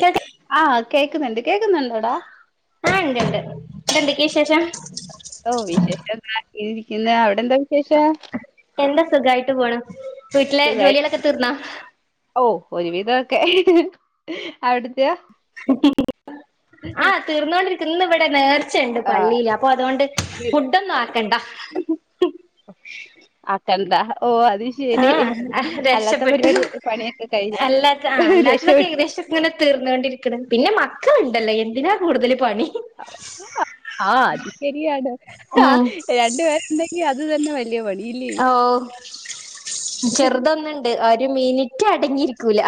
കേൾക്ക ആഹ് കേക്കുന്നുണ്ട് കേക്കുന്നുണ്ടോടാ ആഹ ഉണ്ട് ഉണ്ട് ഇത എന്തൊക്കെയ വിശേഷം? ഇരിക്കുന്ന അവിടെ എന്താ വിശേഷ എന്താ സുഖമായിട്ട് പോണ വീട്ടിലെ ജോലികലൊക്കെ തീർന്നാ ഒരു വിധമൊക്കെ അവിടത്തെയാ? [unintelligible] ആ തീർന്നുകൊണ്ടിരിക്ക ഇന്ന് ഇവിടെ നേർച്ചയുണ്ട് ആഹ് പള്ളിയിയില് അപ്പൊ അതുകൊണ്ട് ഫുഡ ഒന്നും ആക്കണ്ട [unintelligible] എന്താ ഓ [unintelligible] അത് ശരി ആഹ് അല്ലാത്ത രക്ഷപ്പെട്ടു പരിപാടി പണിയൊക്കെ കഴിഞ്ഞ രക്ഷപ്പെട്ട് തീർന്നൊണ്ടിരിക്ക്ണെ പിന്നെ മക്കളുണ്ടല്ലോ എന്തിനാ കൂടൊല് ആ അത് ശരിയാണ് ആ ഉം രണ്ട് പേരുണ്ടെങ്കി അത് തന്നെ വ ഓ ചെറ്തൊന്ന്ണ്ട് ഒരു മിനിറ്റടങ്ങിയിരിക്കൂല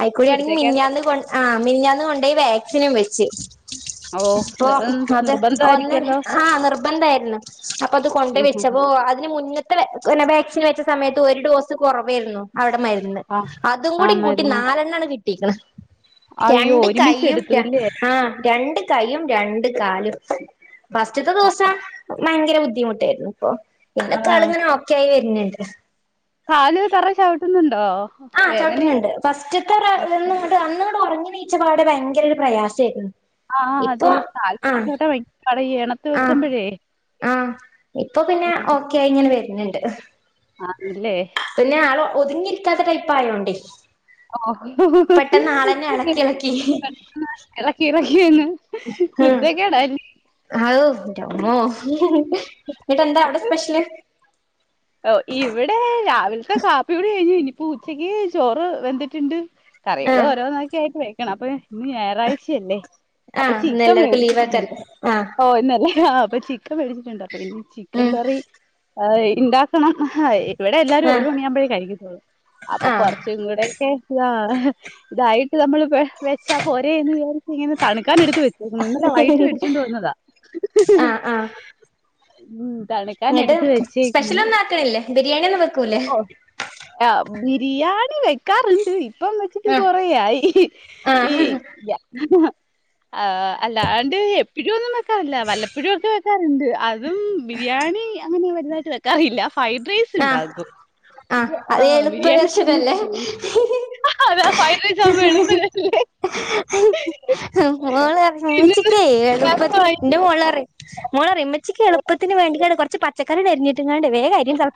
ആയിക്കൊഴിയാണെങ്കി കുരുത്തക്കേട് മിന്നാന്ന് കൊ ആ മിഞ്ഞാന്ന് കൊണ്ടൊയി വാക്സിനും വെച്ച് ഓ പ്പൊ ഇതിപ്പം അത് ഒന്നര നിർബന്ധമായിരിക്കുവല്ലോ ആ നിർബന്ധേര്ന്നു അപ്പൊത് കൊണ്ടൊയ് വെച്ചപ്പോ ന് മുന്നത്തെ വ നെ വാക്സിൻ വെച്ച സമയത്ത് ഒരു ഡോസ് കുറവേരുന്നു അവിടെ മര്ന്ന് ആഹ് അതും കൂടി ആഹ് കൂട്ടി മരുന്ന് നാലെണ്ണാണ് കിട്ടിയേക്ക്ണെ അയ്യോ രണ്ട് കൈയും ഒരുമിച്ചെടുത്തു ര ഇല്ലേ ആ രണ്ട് കൈയും രണ്ട് കാലും ഫസ്റ്റത്തെ ദിവസ വയങ്കര ബുദ്ധിമുട്ടേരുന്നു ഇപ്പൊ ആഹ് ല്ലക്കാളിങ്ങനെ ഓക്കെ ആയി വരുന്ന്ണ്ട് കാല് തറേ ചവിട്ടുന് [unintelligible] ആ ചവിട്ടിനുണ്ട് ഫസ്റ്റത്തെ റന്ന്ങ്ങട് അന്ന്ങ്ങട് ഒറങ്ങി [unintelligible] ഈച്ചപാടെ ഭയങ്കരൊരു പ്രയാസേയിരുന്നു ആ അതെ കാൽ ചോട്ടാ ഭയ കട എണത്ത് ആ വെക്ക്മ്പഴേ ആഹ് ഇപ്പൊ പിന്നെ ഓക്കെയ്ങ്ങനെ വെരുന്നുണ്ട് ആ ഇല്ലേ ഒതുങ്ങിരിക്കാത്ത ടൈപ്പായോണ്ടേ ഓ എളക്കി എളക്കി [unintelligible] കുരുത്ത കേടാ ആതോന്റമ്മോ എന്നിട്ടന്താ അവിടെ സ്പെഷ്യല് ഓ ഇവിടെ രാവിലത്തെ കാപ്പികുടി കഴിഞ്ഞു ഇനിപ്പോ ഉച്ചക്ക് ചോറ് വെന്തിട്ടുണ്ട് കറികള് ആഹ് ഓരോന്നക്കെ ആയിട്ട് വെക്കണം അപ്പൊ ഇന്ന് ഞാറാഴ്ചയല്ലേ അപ്പൊ ആഹ് ഇന്ന് ചീക്കൻ എല്ലാർക്കും ലീവാക്കാരം വേടിച്ചിട്ടുണ്ട് ആഹ് ഓ ഇന്നല്ലേ ആ അപ്പ ചിക്കൻ വേടിച്ചിട്ടുണ്ട് അപ്പൊ ഇനി ചിക്കൻ ഉം കറി ഇണ്ടാക്ക ണം ഇവിടെ എല്ലാരും ഒരു ആഹ് മണിയാമ്പഴേ കഴിക്കത്തോള്ളൂ അപ്പൊ ആഹ് കൊറച്ചും കൂടെക്കെ ഇതാ ഇതായി നമ്മൾ വെച്ചാൽ പോരെയെന്ന് വിചരിച്ചിങ്ങനെ തണുക്കാൻ എടുക്ക വെച്ച ഇന്നലെ വൈട്ട് വേടിച്ചൊണ്ട് വന്നതാ ആഹ് ആഹ് ഉം ഇങ്ങട്ട് തണുക്കാനെടുത്ത് സ്പെഷ്യൽ വെച്ചേക്ന്ന് ഒന്നും ആക്കണില്ലേ ബിരിയാണി ഒന്നും വെക്കൂല്ലേ ഓ ആ ബിരിയാണ ണി വെക്കാറ്ണ്ട് ഇപ്പം വെച്ചിട്ട് ആഹ് കൊറേയായി ഈ ആഹ് യ ആ അല്ലാണ്ട് എപ്പഴും ഒന്നും വെക്കാറില്ല വല്ലപ്പഴും ഒക്കെ വെക്കാറ്ണ്ട് അതും ബിരിയാണി അങ്ങനെ വലുതായിട്ട് വെക്കാറീല്ല ഫയ്ട്ര ആ ആ അത് എളുപ്പ ബിരിയാണിക്ക് വന്നിട്ട് വർഷനല്ലേ അതാ ഫൈഡ്റൈസാവുമ്പൊ എളുപ്പല്ലേ മോള് പിന്നെ ഉമ്മച്ചിക്ക്ഏ ളുപ്പത്തി രസമായി. ഇന്റമോള് പറി മോള്റം ഇമ്മച്ചിക്ക് എളുപ്പത്തിന് വേണ്ടിട്ടാണ് കൊറച്ച് പച്ചക്കറി അരിഞ്ഞിട്ടിങ്ങാണ്ട് വേഗം അരി തിള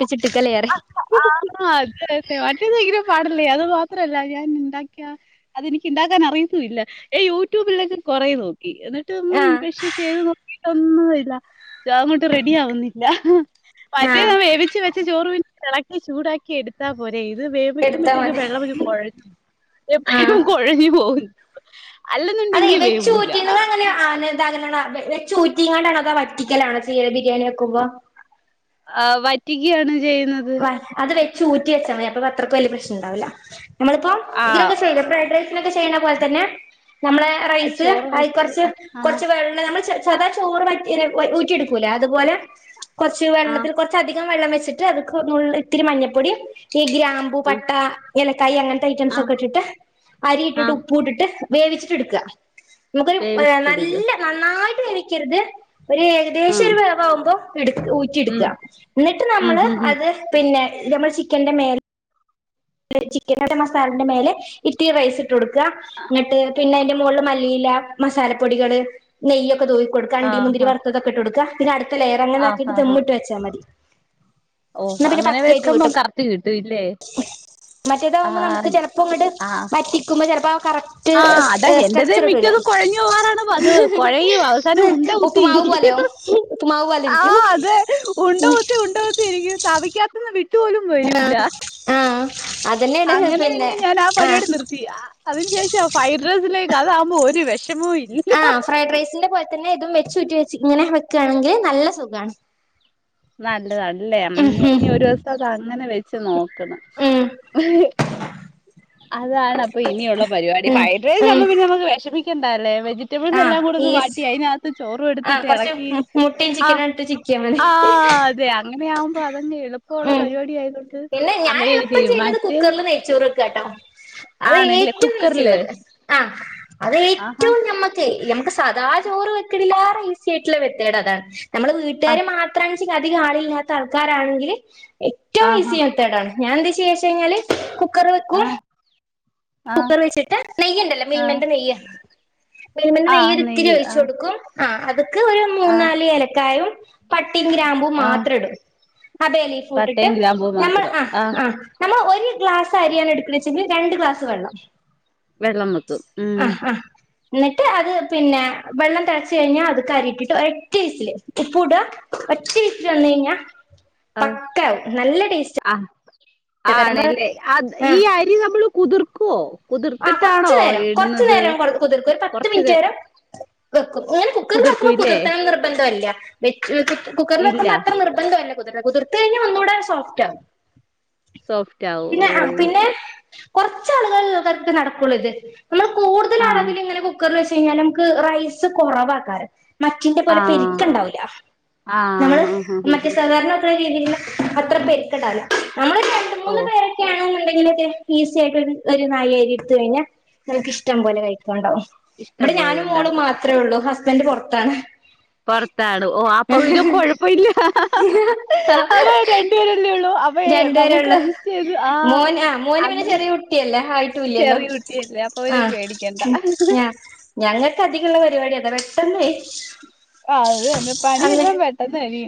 ആ അതെ അതെ മറ്റെത് പയ്ങ്കര പാട അല്ലേ അത് മാത്രല്ല ഞാൻണ്ടാക്കിയ അതെനിക്ക് ണ്ടാക്കാൻ അറിയത്തുല്ല യൂട്യൂബിലസം കൊറേ നോക്കി എന്നിട്ട് ഉം ആഹ് പക്ഷെ ചെയ്ത് നോക്കിട്ടൊന്നുംല്ല ദാങ്ങോട്ട് റെഡി ആവുന്നില്ല ആഹ് മറ്റേത വേവിച്ച് വെച്ച് എളക്കി ചൂടാക്കി എടുത്താ പോരെ അ ഇത് എടുത്താ വേവിക്കുമ്പോഴത്തേക്ക് മതി വെള്ളം ആഹ് കുഴഞ്ഞ കുഴഞ്ഞു പോകുന്നു അതെ വെച്ച് ഊറ്റി [unintelligible] ഇങ്ങൾ ആദ്യം വെച്ച് ഉറ്റിങ്ങാടാണോ തോ വറ്റിക്കലാണോ ബിരിയാണി വെക്കുമ്പോ ആ വറ്റിക്യാണ് ചെയ്യുന്നത് വചൂറ്റി വെച്ചൽ മതി അപ്പൊ അത്രക്ക് വലിയ പ്രശ്നം ഉണ്ടാവില്ല നമ്മളിപ്പോ ഇതിനൊക്കെ ചെയ്യ ആഹ് ഫ്രൈഡ് റൈസിനക്കെ ചെയ്യണ പോലെ തന്നെ നമ്മളെ റൈസ് ചോറ് അതി വെച്ച് കുറച്ച് ആഹ് കൊറച്ച് വെ ള്ളംനമ്മൾശ്ര സദാ ചോറ്റ്ഊറ്റിെടുക്കൂല അതുപോലെ കുറച്ച് ആഹ് വെള്ളത്തിൽ കുറച്ച്ധികം വെള്ളം വെച്ചിട്ട് അതിക്ക് ഇത്തിരി മഞ്ഞപ്പൊടി ഈ ഗ്രാമ്പു ആഹ് പട്ട എലക്കായി അങ്ങനത്തെ ഐറ്റംസ് ആഹ് ഒക്കെ ഇട്ടിട്ട് അരി ഇട്ടിട്ട് ആഹ് ഉപ്പൂ ഇട്ടിട്ട് വേവിച്ചിട്ട എടുക്കുക നമുക്കൊരു ഏഹ് വേവിച്ചിട്ടെടുക്ക നല്ല നന്നായിട്ട് വേവിക്കരുത് ഒരു ഏകദേശം ആഹ് ഒരു വോവവുമ്പോ ഊറ്റി ഉം എടുക്കുക എന്നിട്ട് ഉം നമ്മള് ഉം ഉം അത് പിന്നെ നമ്മൾ ചിക്കന്റെ മേല ചിക്കൻ മസാലന്റെ മേലെ ഇട്ട് റൈസ് ഇട്ട് കൊടുക്കുക എന്നിട്ട് പിന്നെ അതിന്റെ മോലെ മോളില് മല്ലിയില മസാലപ്പൊടികൾ നെയ്യൊക്കെ തൂക്കി കൊടുക്ക അണ്ടി മുന്തിരി ആഹ് വറുത്തൊക്കെട്ട് കൊടുക്കുക പിന്നെടു അ ആഹ് എറങ്ങനാക്കിട്ട് ആഹ് ദമ്മിട്ട് വച്ചാ മതി ഓഹ് അങ്ങനെ വെക്കുമ്പോ കറക്ട് കിട്ടു മറ്റേതകുമ്പോ നമുക്ക് ആഹ് ചിലപ്പോ ഇങ്ങ് ആഹ് വറ്റിക്കുമ്പോ ചിലപ്പോ കറക്റ്റ് ആഹ് അതാ കറക്ട് എന്റത് സ്ട്രക്ചർ കിട്ടുല്ല മിക്കതും കുഴഞ്ഞു പോവാറാണ് പതിവ് കുഴയും അവസാനം ഉണ്ട ഉപ്പ്മാവ് പോലോ കുത്തിയിരിക്കും ആവും ഉപ്പ്മാവ് പോലെ ഇരിക്കും ആഹ് അതെ ഉണ്ട ഒറ്റുപോലും വരൂല ആഹ് ആഹ് അതന്നെയാണ് അങ്ങനെ പിന്നെ ഞാൻ ആ പരിപാടി ആഹ് നിർത്തി അതിന് ശേഷം [unintelligible] ഫൈറസിലേക്ക് അതാാവുമ്പോൾ ഒരു വിഷം ആ ഫ്രൈഡ് റൈസിന്റെ പോലെ തന്നെ ഇതും വെചൂറ്റി വെച്ച് ഇങ്ങനെ വെക്കുകയാണെങ്കിൽ നല്ല സുഖമാണ് നല്ലതാണ് അല്ലെ പിന്നെ ഒരു ദിവസം അത് അങ്ങനെ വെച്ച് നോക്കണം ഉം ഉം അതാണ് അപ്പൊ ഇനിയുള്ള പരിപാടി ഉം ഫ്രൈഡ് ഉം റൈസ്മ്മ പിന്നെ ന വിഷമി മിക്കണ്ടല്ലേ വെജിബിൾസ് ആഹ് എല്ലാം കൂ ഒന്ന് ഈസ് വാട്ടി അതിനകത്ത് ചോറും ആഹ് എടുത്തിട്ട് കൊറച്ച് ഇളക്കി മുട്ടയും ആഹ് ചിക്കനും ഇട്ട് ചിക്കിയാ മതി ആഹ് ആ അതെ അങ്ങനെയ ആകുമ്പോ അതങ്ങ എളുപ്പുള്ള ഉം പരിപാടി ആയതൊണ്ട് പിന്നെ ഞാൻ അങ്ങനെയെ എളുപ്പം ചെയ്യും ചെയ്യുന്നത് മറ്റേത് കുക്കറിൽ നെയ്ച്ചോറ് വെക്കാട്ടോ അത് ആണല്ലേ ഏറ്റവും ഇസി കുക്കറില് ഉള്ളത് ആ അത് ആഹാ ഏറ്റവും ഞമ്മക്ക് ഞ മ്മക്ക് സദാ ചോറ് വെക്കിനീലേറെ ഈസി ആയിട്ടുള്ള വെത്തേട അതാണ് നമ്മള് ആ വീട്ടുകാാര് മാത്ര അണ് ഉച്ചക്ക് അനധിക ആള ഇല്ലാത്ത ആൾക്കാരാണെങ്കിൽ ഏറ്റവും ആഹാ ഈസി മെത്തേഡ ആണ് ഞാൻ എന്ത് ചെയ്യാച്ച കഴിഞ്ഞാല് കുക്കർ വെക്കും ആഹ കുക്കർ വെച്ചിട്ട് നെയ്യുണ്ടല്ലോ മിൽമെന്റ നെയ്യ മിൽമന്റെ ആ നെയ്യ ഒരു ഇത്തിരി നെയ്യ് ആ ഒഴിച്ചു കൊടുക്കും ആ അതക്ക ഒരു ആ മൂന്ന നാല് ഏലക്കായും പട്ടി ഗ്രാമ്പൂ ആ മാത്രം ഇടും അബേലീഫൂട്ടിട്ട് പട്ടയും ഗ്രാമ്പൂ നമ്മൾ മാത്രം ആ ആ് നമ്മൾ ഒരു ഒരു ഗ്ലാസ് അരിയാണ് എടുക്നെച്ചെങ്കിൽ രണ്ട് ഗ്ലാസ് സ്സ് വെള്ളം വെള്ളം വെക്കും ഉം ആഹ് എന്നിട്ട് അത് പിന്നെ വെള്ളം തിളച്ച കഴിഞ്ഞാൽ അത് കരിയിട്ടിട്ട് ഒറോറ്റവീസിൽ ഉപ്പ ഇടുക ഒറ്റ വിസിൽ വന്ന കഴിഞ്ഞാ ആ പക്ക ആകവും നല്ല ടേസ്റ്റ് ആ നമ്മള് ആണല്ലേ അത് ഈ ആ അരി നമ്മള് കുതിർക്കുവോ ആ കുതിർത്തിട്ടാണോ കൊറച്ചു നേരം കൊറച്ചു എടുന്നത് നേരം കുതിർക്കും ഒരു പത്ത് കൊറച്ചിത് മിനിറ്റ് നേരം വെക്കും ഇങ്ങനെ കുതിർക്കും ഇല്ലേ വെ കുക്കറിൽ ഇല്ല വെക്കുമ്പോ അത്ര നിർബന്ധമല്ല കുതിൽ കുതിർു കഴിഞ്ഞാൽ ഒന്നുകൂടെ സോഫ്റ്റ് ആാവും സോഫറ്റാവും ഓഹ് കുറച്ചാളുകൾത് നടക്കുള്ളൂ ഇത് ആഹ് കഴഞ്ഞാൽ നമുക്ക് റൈസ് കുറവാക്കാറ് മറ്റിന്റെ പോലെ ആഹ് പെരുക്കണ്ടാവില്ല നമ്മള് ആഹ് ആഹ് ഹ മറ്റേ ഹ സാധാരണ ഒക്കെ രീതി അത്ര പെര്ക്കെണ്ടാവൂല ഓഹ് ക്കെ ഈസി ആയിട്ട് ഒരു നായയിരിട്ട കഴിഞ്ഞൽ നമുക്ക് ഇഷ്ടം പോലെ കഴിക്കും ണ്ടാവും ഇവിടെ ഇഷ്ടം പോലെ ഞാനും മോളും ഉണ്ടാക്ക മാത്രമേ ഉള്ളൂ ഹസ്ബൻഡറ് പുറത്താണ് പർത്താണ് ഓ അപ്പൊ വന കൊഴപ്പ ഇില്ല അവ രണ്ടുപേരല്ലേ ഉള്ളൂ അപ്പൊ ഏ- രണ്ടു നമുക്ക് പേരള്ള അഡ്ജസ്റ്റ് ചെയ്ത് ആഹ് മോന് ആ മോന് പിന്നെ അങ്ങനെ ചെറിയ കുട്ടിയല്ലേ ആയിട്ടല്ലല്ലോ ചെറിയ കുട്ടിയല്ലേ അപ്പൊ ആ പിന്നെ പേടിക്കണ്ട ഞ ഞങ്ങൾക്ക് അധികമുള്ള പരിപാടി അതാ പെട്ടെന്നേ ആ അത് തന്നെ പണിയെല്ലാം പെട്ടെന്ന് ഇന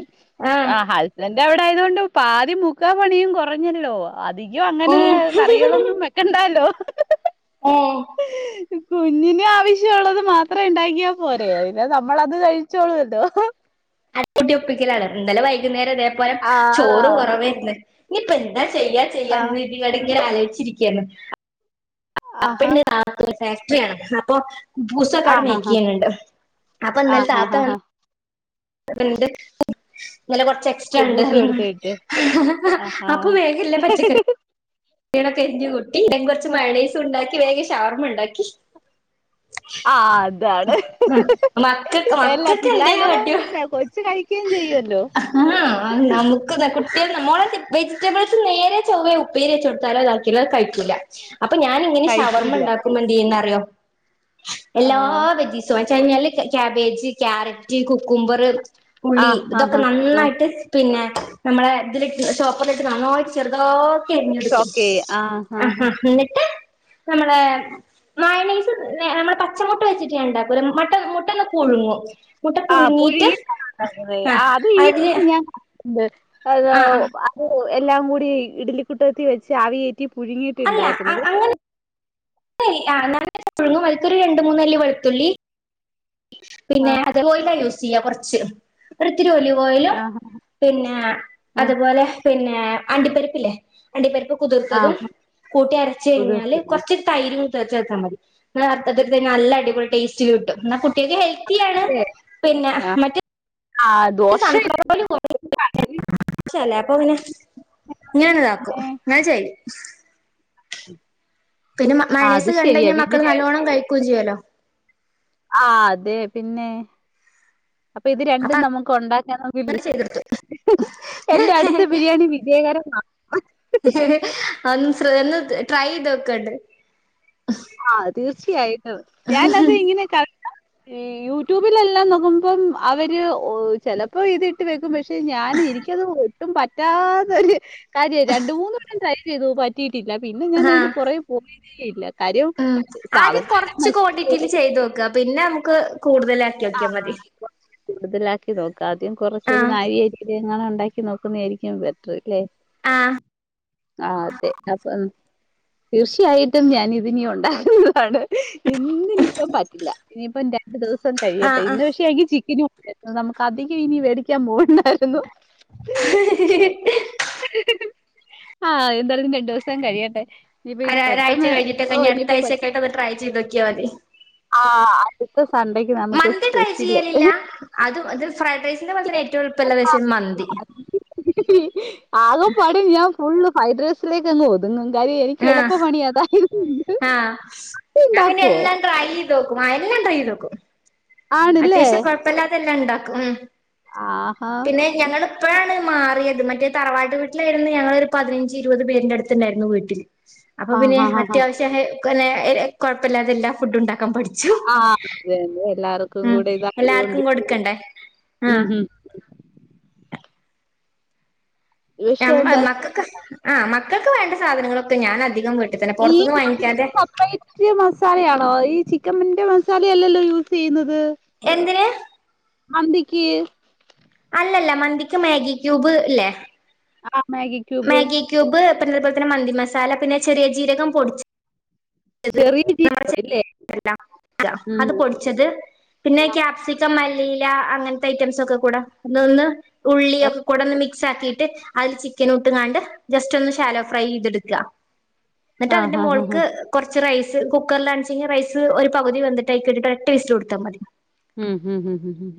ആ ഇത അവിടെ ആയതുകൊണ്ട് പാതി മുക്കാ പണിയും കുറഞ്ഞല്ലോ അധികം അങ്ങനെ ഉം കറികളൊന്നും വെക്കണ്ടല്ലോ ഓ കുഞ്ഞിന് ആവശ്യംള്ളത് മാത്രേ ഉണ്ടാക്കിയാൽ പോരേ അതിെ നമ്മള അത് കഴിച്ചോളൂല്ലോ അട്ടി ഒപ്പിക്കലാണ് ഇന്നലെ വൈകുന്നേരം ഇതേപോലെ ആ ചോറ് കുറവന്ന് ഇനിയിപ്പ എന്താ ചെയ്യ ആ ചെയ്യാം എന്ന് ഇന്നട് ഇങ്ങനെ ആലോചിച്ചിരിക്കുകയാണ് അപ്പ ആഹാ ന ഫാക്ടറിയാണ് അപ്പൊ പൂസൊക്കാട മേക്ക ആഹാഹാ ചെയുന്നുണ്ട് അപ്പൊ ഇന്നല താത്ത ആഹാഹാ വന്ന് അണ്ട് ഇല കൊറച്ച് എക്സ്ട്രാ ഉണ്ട് കുബൂസ് കൊടുത്തിട്ട് ആഹാ അപ്പൊ മേഘല്ലേ പച്ചക്കറി നൊക്കെ എഞ് കുട്ടി എ കുറച്ച് മണേസം ഉണ്ടാക്കി വേഗം ഷവർമ ഉണ്ടാക്കി ആ അതാണ് മക്കക്ക എല്ലാ മക്കക്കെ എന്തെലും പിള്ളേരാവുമ്പോ പട്ടിയോ പിന്നെ ക- കൊച്ച് കഴിക്കുകയും ചെയ്യുമല്ലോ ആ നമക്ക് കുട്ടിക നമ്മള വെജിറ്റബിൾസ് നേരെ ചൊവേ ഉപ്പേരി വച്ച കൊടുത്താലോ അതാക്കിലോ കഴിക്കും ല്ല അപ്പൊ ഞാന ഇങ്ങനെ വർമ കഴിക്കൂല്ല ഉണ്ടാക്കും വേണ്ടിന്ന അറിയോ ആ എല്ലാ ബജ സച്ചഴിഞ്ഞാല് കാബേജ് ക്യാരറ്റ് കുക്കുംമ്പർ ഉുള്ളി ഇതൊക്കെ ആഹാഹാ ആ നന്നായിട്ട് പിന്നെ നമ്മളെ ഇതിലി സോപ്പ ഇട്ടണോ ചെറുതോ രിഞ്ഞെടുക്കും ഓക്കെ ആ ആ നമ്മളെ മയോണേസ് നമ്മള് പച്ചമുട്ട വെച്ചിട്ട് ഉണ്ടാക്കും മട്ട മുട്ടന്ന പ ഉോ ആ പുഴങ്ങി ആ അത് ഈ വ അതില് ഞാൻണ്ട് അത് ആഹ് ആഹ് എല്ലാം കൂടി ഇഡലിക്കുട്ടത്തി വെച്ച് ആവിയറ്റ പുഴുങ്ങിട്ട് അല്ല ഇണ്ടാക്കുന്നത്. അ- അങ്ങനെ ആ നല്ല പുഴുങ്ങും അതക്കൊരു രണ്ട മൂന്നല്ലി വെളുത്തുള്ളി പിന്നെ. [unintelligible] ആഹ് ഇതിരീ ഒത്തിലി കോലും ആഹ് പിന്നെ ആഹ് അതുപോലെ അണ്ടിപരിപ്പില്ലേ അണ്ടിപ്പരിപ്പ് കുതിർക്കതും ആഹ് കൂട്ടി അരച്ച കഴിഞ്ഞാല് കുതിർത്തത് കുറച്ച് തൈര് അയച്ചു കൊടുത്താൽ മതി നല്ലടിപൊ ടസ്റ്റ് കട്ടും. നകു ഹെൽത്തിയാണ് അതെ പിന്നെ മറ്റോ ദോഷ [unintelligible] അപ്പൊ ഇനെ ഇങ്ങനന്ന ഇതാക്കും എന്ന ചെയ്യ ഉ [inaudible] പിന്നെ മണേസ് കണ്ടഴിഞ്ഞാൽ മക്കൾ നല്ലവണ്ണം കഴിക്കുകയും ചെയ്യല്ലോ? ആ അതെ പിന്നെ അപ്പൊ ഇത് രണ്ടും നമുക്ക് ഉണ്ടാക്കാ ന അങ്ങനെ ലിസ്റ്റ് ചെയ്തെടുത്തു എന്റെ അടുത്ത ബിരിയാണി വിജയകരമാ അന്ന് ശ ഒന്ന് ട്രൈ ചെയ്ത് വെക്കണ്ട്. [unintelligible] ആ തീർച്ചയായിട്ടും ഞാനത് ഇങ്ങനെ ക യൂട്യൂബിലെല്ലാം നോക്കുമ്പം അവര് ചിലപ്പോ ഇത് ഇട്ട് വെക്കും. പക്ഷെ ഞാൻ എനിക്കത് ഒട്ടും പറ്റാത്തൊരു കാര്യ രണ്ട് മൂന്നന്ന് വടം ട്രൈ ചെയ്തു പറ്റിയിട്ടില്ല പിന്നെ ഞാൻ ആഹ് അതിന്റെ പുറേ പോയതേയില്ല ഉം ആദ്യം കൊറച്ച് ക്വാണ്ടിറ്റിൽ പോകും. ചെയ്ത് നോക്ക പിന്നെ നമുക്ക് കൂടുതല് ആക്കിയൊക്കിയ മതി ആഹ് കുറച്ച് കൂടുതലാക്കി നോക്കുക ആദ്യം കുറച്ചരു ആഹ് നായരി ലങ്ങാനും ഉണ്ടാക്കി നോക്കുന്നതായിരിക്കും ബെറ്റർ അല്ലേ. ആഹ് ആ അതെ അപ്പൊ തീർച്ചയായിട്ടും ഞാൻ ഇതിനി ഉണ്ടകുന്നതാണ്. ഇന്ന് ഇനിയിപ്പം പറ്റില്ല ഇനിയിപ്പം രണ്ടു ദിവസം കഴിയട്ടെ ആഹ് ആഹ് ഇന്ന് പക്ഷെ അനിക്ക് ചിക്കൻ നമുക്ക് അധികം ഇനി മേടിക്കാൻ പോകണ്ടായിരുന്നു. [inaudible] ആഹ് എന്തായാലും രണ്ടു ദിവസ കഴിയട്ടെ? ഇനിയിപ്പ ഈ പെട്ടെന്ന് ആരാഴ്ചഴിട്ട് ഓഹ്! കഴിഞ്ഞ അടുത്തഴ്ചയക്ക ആയിട്ട അത് ട്രൈ ചെയ്നോക്കിയൽ മതി. ആ അടുത്തെ സൺണ്ടേക്ക് നമുക്ക് മന്തി ട്രൈ സ്പെഷ്യല്. ചെയ്യലില്ല അത് അത് ഫ്രൈഡ് റൈസിന്റെ പോലെ തന്നെ ഏറ്റവും എളുപ്പമുള്ള പശം മന്തി. അക പാടൊ ഞാൻ ഫുള് ബൈഡ്രസിലേക്ക്ങ്ങ് ഒതുങ്ങും കാര്യം എനിക്ക് ആഹ് എളുപ്പമണി അതായിരൂനു. ആഹ് ഞാൻ ഇനി എല്ലാം ട്രൈത്ക്കും ആ എല്ലാം ട്രൈ ചെയ് തോക്കും. ആണല്ലേ? അത്യാവശ്യം കൊഴപ്പില്ലാതെല്ലാം ഉണ്ടാക്കും. ഉ ആഹാ! പിന്നെ ഞങ്ങൾഇപ്പോളണ്. മാറിയത് മറ്റേ തറവാട്ട് വീട്ടിലായിരുന്നു. ഞങ്ങരു പതിനഞ്ച് ഇരുപത് പേരിന്റെ അടുത്തുണ്ടായിരുന്നു വീട്ടിൽ. അപ്പൊ ആഹ് പിന്നെ ആഹ് ആഹ് ആഹ് അത്യാവശ്യ കൊഴപ്പില്ലാതെല്ലാ ഫുഡ് ഉണ്ടാക്കും. പഠിച്ചു ആഹ് അതന്നെ എല്ലാർക്കും ഉ ആ കൂടെ ഇതായത് കൊണ്ട് എല്ലാർക്കും കൊടുക്കണ്ടേ? ഉം ആഹ് ഉം പക്ഷെ എന്താ മക്കൾക്ക് ആ മക്കൾക്ക് വേണ്ട സാധനങ്ങളൊക്കെ ഞാൻ അധികം വിട ഈ കപ്പ്‌ ഐസ്ക്രീം മസാലയാണോ ഈചി ചിക്കമ്മിന്റെ മസാലയല്ലല്ലോ യൂസ് ചെയ്യുന്നത്. എന്തിനന്. മന്തിക്ക്. അല്ലല്ല മന്തിക്ക് മാഗി ക്യൂബ് ഇല്ലെ? ആഹ മാഗി ക്യൂബ് പിന്നെ അതുപോലെ തന്നെ മന്തി മസാല പിന്നെ ചെറിയ ജീരകം പൊടിച്ചത് ചെറിയ ജിരകം. ഇല്ലേ ല്ല അ ഉം അത് പൊളിച്ചത് പിന്നെ ക്യാപ്സിക്കം മലീ [unintelligible] ഐറ്റംസ് ഒക്കെ കൂടെ ഇതൊന്ന് ഉള്ളി ഒക്കെ കൂടെ ഒന്ന് മിക്സ്. മിക്സ് ആക്കിയിട്ട് അതിൽ ചിക്കനിട്ട്ങ്ങാണ്ട് ജസ്റ്റ് ഒന്ന് ഷാലോ ഫ്രൈ ചെയ്തെടുക്കുക. ന്നിട്ട് അതിന്റെ ആഹ് ആഹ് ആഹ് മോൾക്ക് കുറച്ച്റൈസ് കുക്കറിലാണെചെങ്കി റൈസ് ഒരു പകുതി വെന്തിട്ടായിക്കിട്ട് ഒരൊറ്റ വിസില് കൊടുത്ത മതി. ഉം ഉം ഉം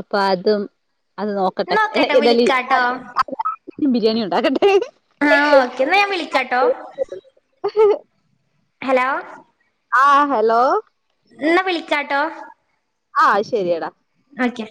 അപ്പൊ അതും, അത് നോക്കട്ടെ, എന്നാ ഓക്കേട്ടോ വിളിക്കാട്ടോ ഏതാലും ബിരിയാണി ഒണ്ടാക്കട്ടെ. ആ ഓക്കെ എന്നാ ഞാൻ വിളിക്കാട്ടോ. ഹലോ ആ ഹലോ എന്നാ വിളിക്കാട്ടോ. ആ ശരിയടാ. ഓക്കെ